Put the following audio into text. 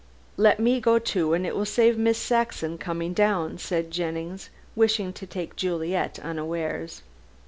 "Let me go, too, and it will save Miss Saxon coming down," said Jennings, wishing to take Juliet unawares.